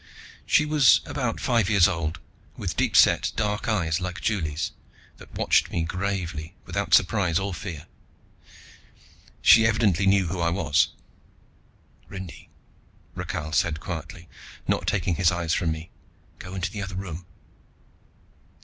She was about five years old, with deep set dark eyes like Juli's, that watched me gravely without surprise or fear; she evidently knew who I was. "Rindy," Rakhal said quietly, not taking his eyes from me. "Go into the other room."